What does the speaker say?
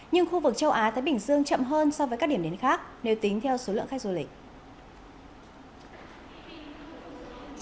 nhưng khu vực châu á thái bình dương chậm hơn so với các điểm đến khác nếu tính theo số lượng khách du lịch